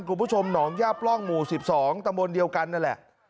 คุณผู้ชมหนองย่าปล้องหมู่๑๒ตะมนต์เดียวกันนั่นแหละ